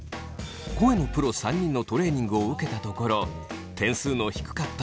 声のプロ３人のトレーニングを受けたところ点数の低かったメンバーは。